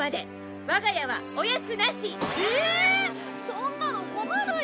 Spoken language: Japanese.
そんなの困るよ！